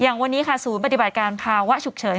อย่างวันนี้ค่ะศูนย์ปฏิบัติการภาวะฉุกเฉิน